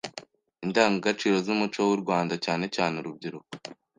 Indangagaciro z’umuco w’u Rwanda cyane cyane urubyiruko.